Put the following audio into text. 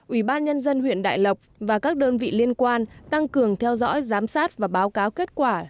ubnd huyện đại lộc và các đơn vị liên quan tăng cường theo dõi giám sát và báo cáo kết quả